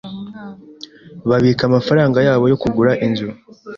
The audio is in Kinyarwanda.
Babika amafaranga yabo yo kugura inzu.